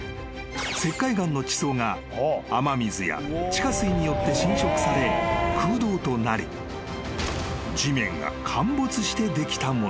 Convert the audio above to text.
石灰岩の地層が雨水や地下水によって浸食され空洞となり地面が陥没してできたもの］